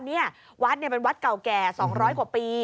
นี่วัดเป็นวัดเก่าแก่๒๐๐กว่าปี